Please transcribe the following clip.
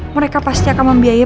mereka pasti akan membiayai